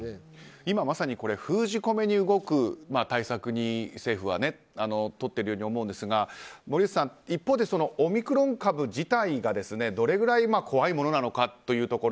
今まさに封じ込めに動く対策を政府は、とっているように思いますが森内さん一方でオミクロン株自体がどれぐらい怖いものなのかというところ。